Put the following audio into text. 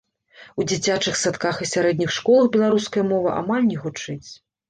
У дзіцячых садках і сярэдніх школах беларуская мова амаль не гучыць.